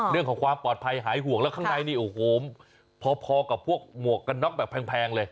เรื่องของความปลอดภัยหายห่วงแล้วข้างในนี่โอ้โหพอกับพวกหมวกกันน็อกแบบแพงเลย